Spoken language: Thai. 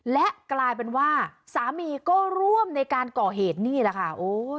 และกลายเป็นว่าสามีก็ร่วมในการก่อเหตุนี่แหละค่ะโอ้ย